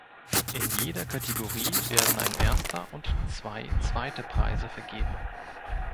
In jeder Kategorie werden ein erster und zwei zweite Preise vergeben.